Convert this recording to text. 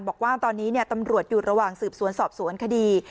บอกว่าตอนนี้ตำรวจอยู่ระหว่างสืบสวนสอบสวนคดี